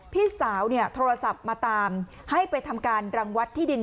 พี่สาวเนี่ยโทรศัพท์มาตามให้ไปทำการรังวัดที่ดิน